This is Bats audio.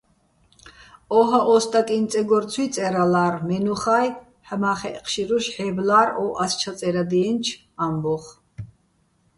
ო́ჰაჸ ო სტაკიჼ წეგორ ცუჲ წე́რალარ, მე́ნუხა́ჲ ჰ̦ამა́ხეჸ ჴშირუშ ჰ̦ე́ბლარ ო ას ჩაწე́რადჲიენჩო̆ ამბო́ხ.